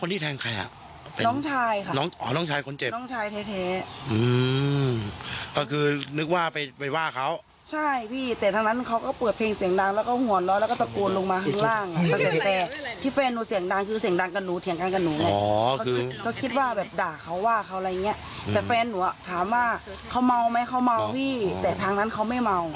แต่แฟนหนูอ่ะถามว่าเขาเมาไหมเขาเมาพี่แต่ทางนั้นเขาไม่เมา